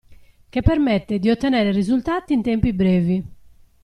Che permette di ottenere risultati in tempi brevi.